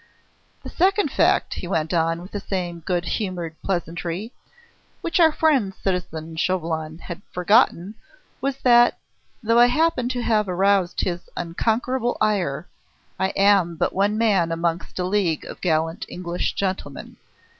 "The second fact," he went on with the same good humoured pleasantry, "which our friend citizen Chauvelin had forgotten was that, though I happen to have aroused his unconquerable ire, I am but one man amongst a league of gallant English gentlemen.